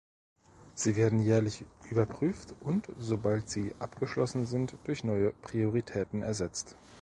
Sie werden jährlich überprüft und, sobald sie abgeschlossen sind, durch neue Prioritäten ersetzt.